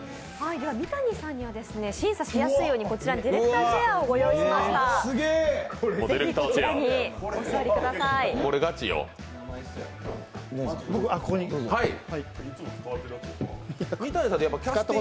三谷さんには審査しやすいようにこちらにディレクターチェアをご用意しました。